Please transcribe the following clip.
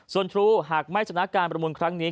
ส่วนทรูหากไม่ชนะการประมูลครั้งนี้